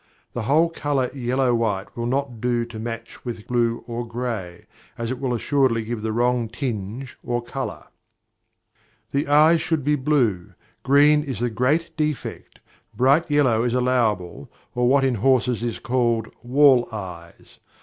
The whole colour yellow white will not do to match with blue or gray, as it will assuredly give the wrong tinge or colour. The eyes should be blue; green is a great defect; bright yellow is allowable, or what in horses is called "wall eyes."